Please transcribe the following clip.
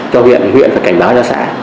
cho huyện thì huyện phải cảnh báo cho xã